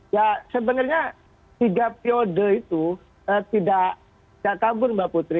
ya sebenarnya tiga periode itu tidak kabur mbak putri